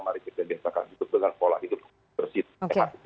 mari kita biasakan dengan pola hidup bersih dan sehat